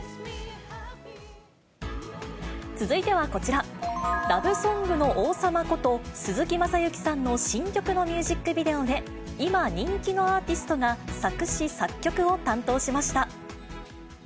続いてはこちら、ラブソングの王様こと、鈴木雅之さんの新曲のミュージックビデオで、今人気のアーティストが作詞、作曲を担当しました。